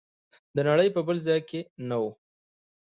د نړۍ په بل ځای کې نه و.